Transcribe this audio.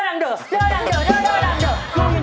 เดินเดิน